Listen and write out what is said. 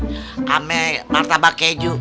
sama martabak keju